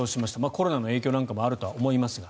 コロナの影響なんかもあると思いますが。